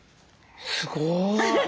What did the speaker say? すごい。